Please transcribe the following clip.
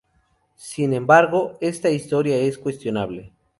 Sin embargo, esta historia es cuestionable.